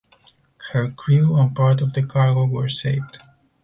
Her crew and part of the cargo were saved.